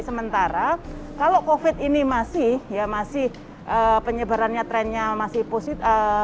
sementara kalau covid ini masih penyebarannya trennya masih positif